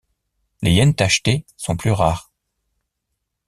Les hyènes tachetées sont plus rares.